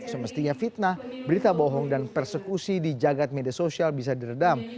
semestinya fitnah berita bohong dan persekusi di jagad media sosial bisa diredam